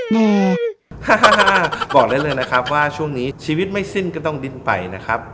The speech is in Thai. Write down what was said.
อืมบอกได้เลยนะครับว่าช่วงนี้ชีวิตไม่สิ้นก็ต้องดิ้นไปนะครับ